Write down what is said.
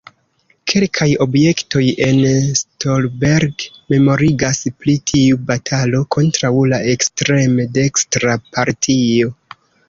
Kelkaj objektoj en Stolberg memorigas pri tiu batalo kontraŭ la ekstreme dekstra partio.